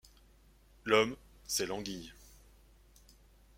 L’homme, c’est l’anguille.